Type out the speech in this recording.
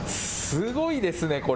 すごいですね。